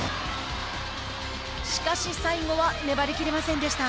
しかし、最後は粘りきれませんでした。